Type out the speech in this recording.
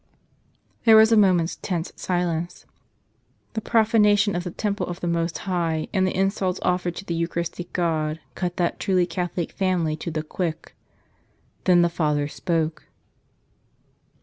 " There was a moment's tense silence. The profana¬ tion of the temple of the Most High and the insults offered to the Eucharistic God cut that truly Catholic family to the quick. Then the father spoke.